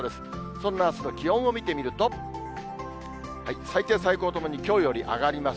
そんなあすの気温を見てみると、最低、最高ともにきょうより上がります。